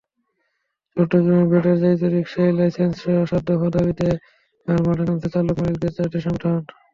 চট্টগ্রামে ব্যাটারিচালিত রিকশার লাইসেন্সসহ সাত দফা দাবিতে এবার মাঠে নামছে চালক-মালিকদের চারটি সংগঠন।